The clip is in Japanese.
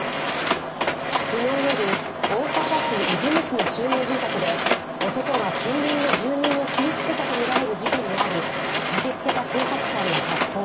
昨日夜、大阪府和泉市の集合住宅で男が近隣の住民を切りつけたとみられる事件があり、駆けつけた警察官が発砲。